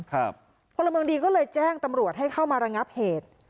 พลเมืองดีก็เลยแจ้งตำรวจให้เข้ามาระงับเหตุ